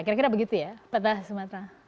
kira kira begitu ya